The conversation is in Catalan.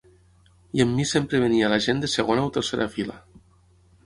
I amb mi sempre venia la gent de segona o tercera fila.